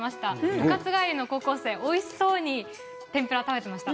部活帰りの高校生、おいしそうに天ぷらを食べていました。